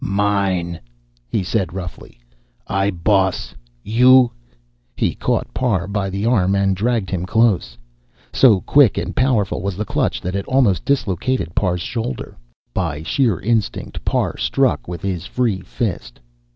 "Mine," he said roughly. "I boss. You " He caught Parr by the arm and dragged him close. So quick and powerful was the clutch that it almost dislocated Parr's shoulder. By sheer instinct, Parr struck with his free fist.